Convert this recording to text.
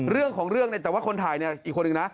เรื่องของเรื่องแต่ว่าคนถ่ายเนี่ยอีกคนอื่นนะ